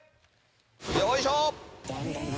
よいしょ！